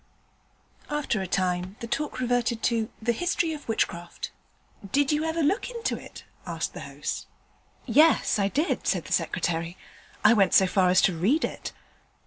After a time the talk reverted to the History of Witchcraft. 'Did you ever look into it?' asked the host. 'Yes, I did,' said the Secretary. 'I went so far as to read it.'